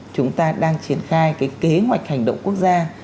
chúng ta đang triển khai cái kế hoạch hành động quốc gia